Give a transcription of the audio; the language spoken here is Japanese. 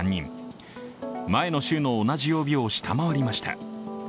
前の週の同じ曜日を下回りました。